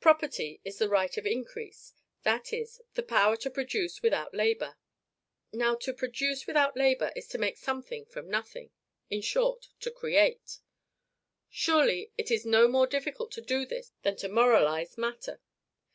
PROPERTY IS THE RIGHT OF INCREASE; that is, the power to produce without labor. Now, to produce without labor is to make something from nothing; in short, to create. Surely it is no more difficult to do this than to moralize matter.